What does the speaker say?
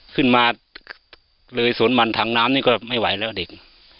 ขึ้นมาเลยสวนมันทางน้ำนี่ก็ไม่ไหวแล้วเด็ก